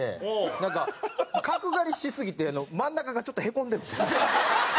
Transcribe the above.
なんか角刈りしすぎて真ん中がちょっとへこんでるんです。